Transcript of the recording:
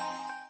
kopi di lampung